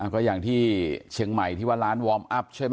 ก็อย่างที่เชียงใหม่ที่ว่าร้านวอร์มอัพใช่ไหม